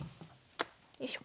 よいしょ。